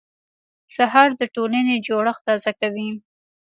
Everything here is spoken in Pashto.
سهار د ټولنې جوړښت تازه کوي.